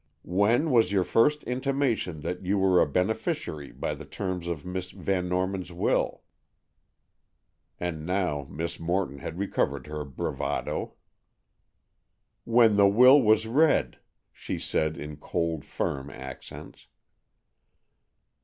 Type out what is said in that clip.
When was your first intimation that you were a beneficiary by the terms of Miss Van Norman's will?" And now Miss Morton had recovered her bravado. "When the will was read," she said in cold, firm accents.